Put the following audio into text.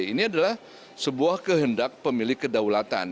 ini adalah sebuah kehendak pemilik kedaulatan